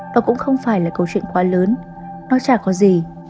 và cũng không phải là câu chuyện quá lớn nó chả có gì